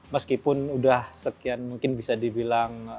meskipun sudah sekian mungkin bisa dibilang